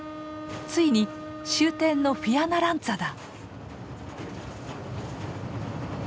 ついに終点のフィアナランツァだ。